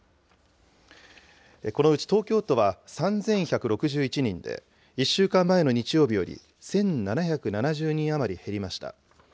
このうち東京都は３１６１人で、１週間前の日曜日より１７７０人余り減りました。